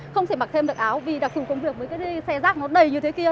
không thể mặc thêm đặc áo vì đặc thù công việc với cái xe giác nó đầy như thế kia